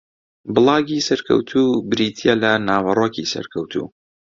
بڵاگی سەرکەوتوو بریتییە لە ناوەڕۆکی سەرکەوتوو